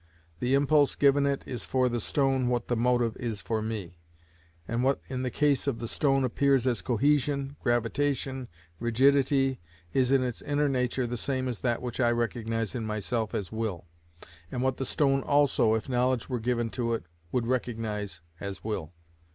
The impulse given it is for the stone what the motive is for me, and what in the case of the stone appears as cohesion, gravitation, rigidity, is in its inner nature the same as that which I recognise in myself as will, and what the stone also, if knowledge were given to it, would recognise as will.